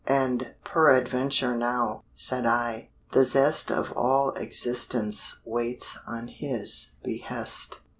"And peradventure now," said I, "the zest Of all existence waits on His behest."